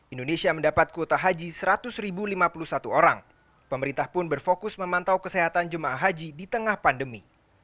indonesia mendapat kuota haji seratus lima puluh satu orang pemerintah pun berfokus memantau kesehatan jemaah haji di tengah pandemi